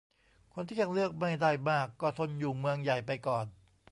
คนที่ยังเลือกไม่ได้มาก ก็ทนอยู่เมืองใหญ่ไปก่อน